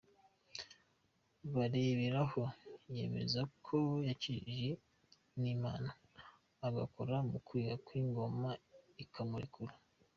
Bareberaho yemeza ko yakijijwe n’Imana, agakora mu kwaha kw’ingona ikamurekura.